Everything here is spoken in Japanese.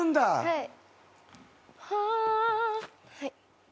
はい。